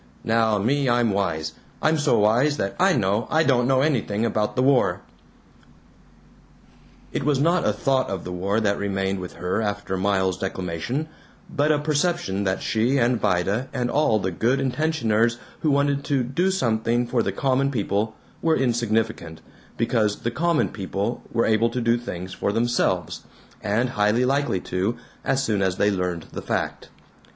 Now me, I'm wise. I'm so wise that I know I don't know anything about the war." It was not a thought of the war that remained with her after Miles's declamation but a perception that she and Vida and all of the good intentioners who wanted to "do something for the common people" were insignificant, because the "common people" were able to do things for themselves, and highly likely to, as soon as they learned the fact.